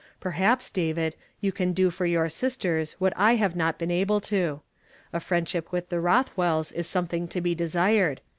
Perhaps, David, you can do for your sisters what I have not been able to. A friendship with the Rothwells is something to be desired.